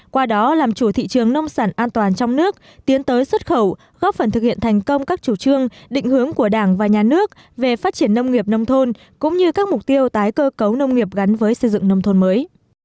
qua đó làm chủ thị trường nông sản an toàn trong nước tiến tới xuất khẩu góp phần thực hiện thành công các chủ trương định hướng của đảng và nhà nước về phát triển nông nghiệp nông thôn cũng như các mục tiêu tái cơ cấu nông nghiệp gắn với xây dựng nông thôn mới